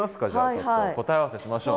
ちょっと答え合わせしましょう。